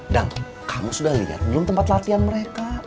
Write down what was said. kamu sudah lihat belum tempat latihan mereka